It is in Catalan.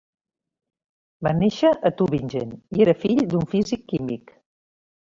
Va néixer a Tübingen i era fill d'un físic-químic.